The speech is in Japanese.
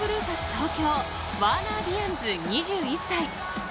東京、ワーナー・ディアンズ、２１歳。